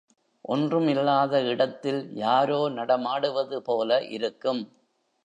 ஒன்றும் இல்லாத இடத்தில் யாரோ நடமாடுவது போல இருக்கும்.